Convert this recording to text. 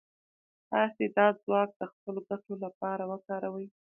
تاسې دا ځواک د خپلو ګټو لپاره وکاروئ.